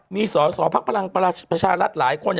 มีสอสอภักดิ์พลังประชารัฐหลายคน